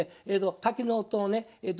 滝の音をね